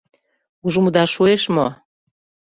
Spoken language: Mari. — Ужмыда шуэш мо?